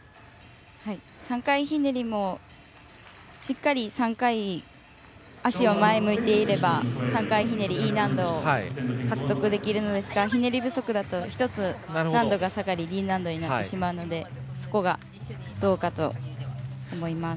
３回ひねりもしっかり３回足を前向いていれば３回ひねりＥ難度を獲得できるんですがひねり不足だと１つ難度が下がりＤ難度になってしまうのでそこがどうかと思います。